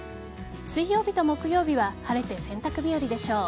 水曜日と木曜日は晴れて洗濯日和でしょう。